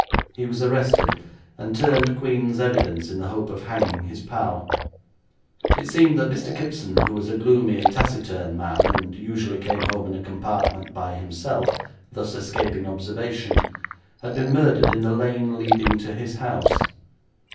He was arrested, and turned Queen's evidence in the hope of hanging his pal. It seemed that Mr. Kipson, who was a gloomy, taciturn man, and usually came home in a compartment by himself, thus escaping observation, had been murdered in the lane leading to his house.